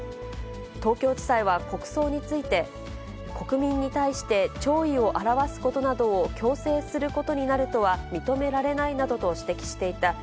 東京地裁は国葬について、国民に対して弔意を表すことなどを強制することになるとは認められないなどと指摘していた。